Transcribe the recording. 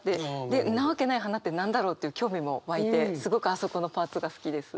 で「んなわけない花」って何だろうという興味も湧いてすごくあそこのパーツが好きです。